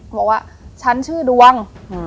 บอกว่าฉันชื่อดวง